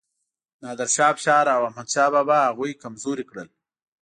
نادر شاه افشار او احمد شاه بابا هغوی کمزوري کړل.